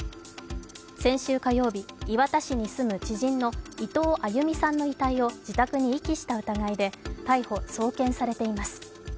先週火曜日、磐田市に住む知人の伊藤亜佑美さんの遺体を自宅に遺棄した疑いで逮捕・送検されています。